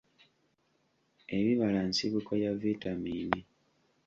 Ebibala nsibuko ya vitamiini.